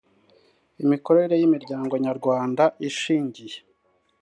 imikorere y imiryango nyarwanda ishingiye